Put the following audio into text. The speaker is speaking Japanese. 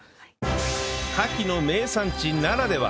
カキの名産地ならでは！